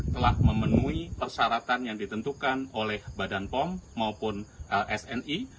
telah memenuhi persyaratan yang ditentukan oleh badan pom maupun lsni